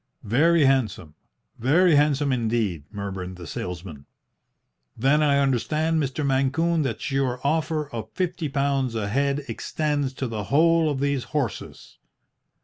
"Very handsome! Very handsome indeed!" murmured the salesman. "Then I understand, Mr. Mancune, that your offer of fifty pounds a head extends to the whole of these horses?"